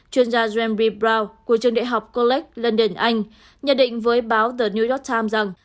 chuyên gia jeremy brown của trường đại học college london anh nhận định với báo the new york times rằng